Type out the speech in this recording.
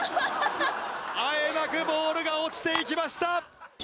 あえなくボールが落ちていきました。